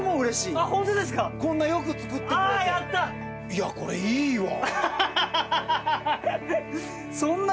いやこれいいわ。